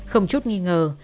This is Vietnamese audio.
không chút nghi ngờ